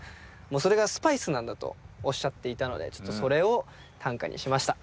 もうそれがスパイスなんだとおっしゃっていたのでちょっとそれを短歌にしました。